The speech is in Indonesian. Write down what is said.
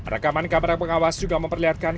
rekaman kamera pengawas juga memperlihatkan